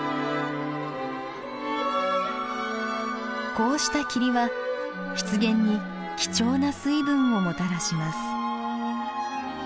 こうした霧は湿原に貴重な水分をもたらします。